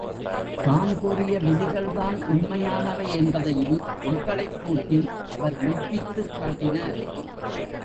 தாம் கூறிய விதிகள் தான் உண்மையானவை என்பதையும் மக்களைக்கூட்டி அவர் மெய்ப்பித்துக் காட்டினார்.